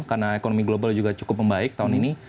karena ekonomi global juga cukup membaik tahun ini